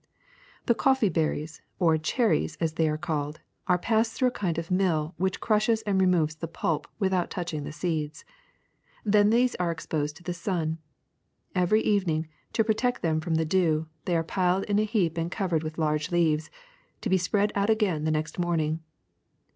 ^^The coffee berries, or cherries, as they are called, are passed through a kind of mill which crushes and removes the pulp without touching the seeds. Then these are exposed to the sun. Every evening, to pro tect them from the dew, they are piled in a heap and covered with large leaves, to be spread out again the next morning.